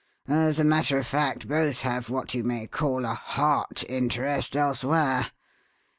As a matter of fact, both have what you may call a 'heart interest' elsewhere.